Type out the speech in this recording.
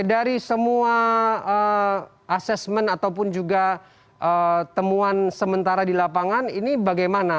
dari semua asesmen ataupun juga temuan sementara di lapangan ini bagaimana